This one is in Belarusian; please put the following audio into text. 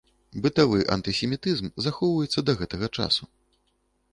Бытавы антысемітызм захоўваецца да гэтага часу.